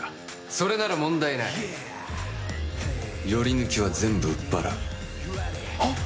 それなら問題ないヨリヌキは全部売っ払うはっ？